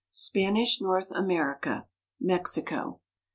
SPANISH NORTH AMERICA — MEXICO.